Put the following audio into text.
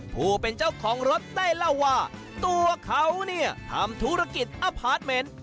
ผู้เป็นเจ้าของรถได้เล่าว่าตัวเขาเนี่ยทำธุรกิจอพาร์ทเมนต์